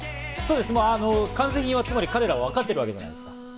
完成品は彼らはわかってるわけじゃないですか。